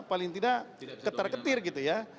paling tidak ketar ketir gitu ya